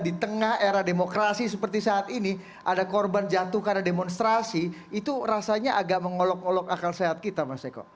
di tengah era demokrasi seperti saat ini ada korban jatuh karena demonstrasi itu rasanya agak mengolok ngolok akal sehat kita mas eko